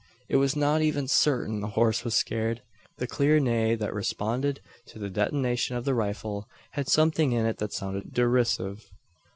It was not even certain the horse was scared. The clear neigh that responded to the detonation of the rifle, had something in it that sounded derisive!